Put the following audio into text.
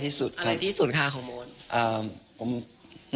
อะไรที่สุดค่ะของโมน